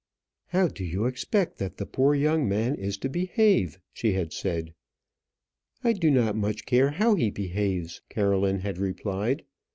"How do you expect that the poor young man is to behave?" she had said. "I do not much care how he behaves," Caroline had replied.